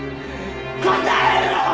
答えろ！！